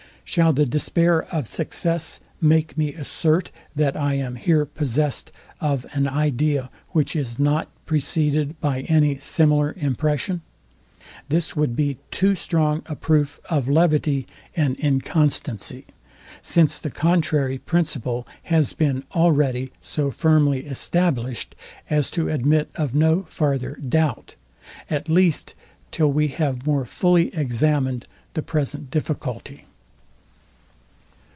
Shall the despair of success make me assert, that I am here possest of an idea, which is not preceded by any similar impression? This would be too strong a proof of levity and inconstancy; since the contrary principle has been already so firmly established, as to admit of no farther doubt; at least, till we have more fully examined the present difficulty.